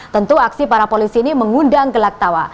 tentu aksi para polisi ini mengundang gelak tawa